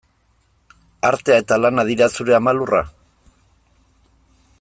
Artea eta lana dira zure ama lurra?